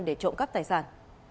để trộm cắp tài sản